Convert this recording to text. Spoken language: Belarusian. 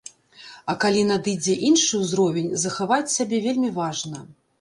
А калі надыдзе іншы ўзровень, захаваць сябе вельмі важна.